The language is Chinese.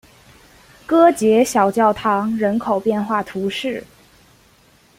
戈捷小教堂人口变化图示